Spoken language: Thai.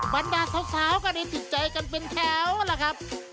บรรดาสาวก็ได้ติดใจกันเป็นแถวล่ะครับ